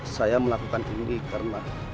saya melakukan ini karena